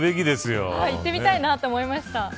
行ってみたいなと思いました。